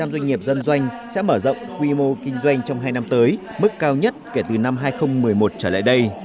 tám mươi doanh nghiệp dân doanh sẽ mở rộng quy mô kinh doanh trong hai năm tới mức cao nhất kể từ năm hai nghìn một mươi một trở lại đây